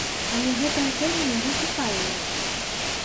Але гэтая тэма яго цікавіла.